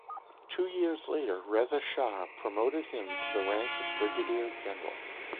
Two years later Reza Shah promoted him to the rank of brigadier general.